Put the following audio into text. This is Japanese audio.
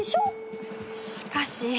しかし。